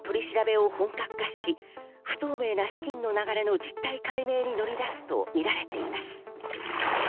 特捜部は２人の取り調べを本格化し、不透明な資金の流れの実体解明に乗り出すとみられています。